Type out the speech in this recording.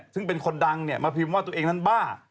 ซึ่งเป็นคนดังมาพิมพ์ว่าตัวเองนั้นบ้า